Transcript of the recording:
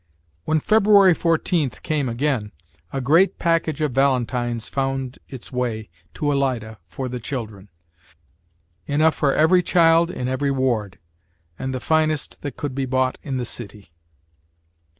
When February 14th came again, a great package of valentines found its way to Alida for the children enough for every child in every ward, and the finest that could be bought in the city.